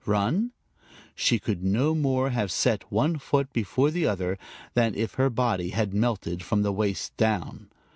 Run? She could no more have set one foot before the other, than if her body had melted from the waist down.